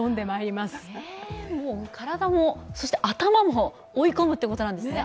体も、頭も追い込むということなんですね。